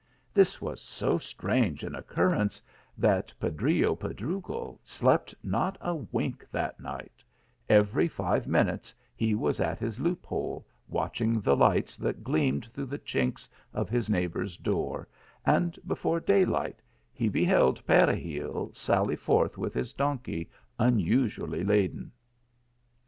This was so strange an occurrence, that Pedrillo Pedrugo slept not a wink that night every five minutes he was at his loop hole, watching the lights that gleamed through the chinks of his neighbour s door, and before day light he beheld Peregil sally forth with his donkey unusually laden.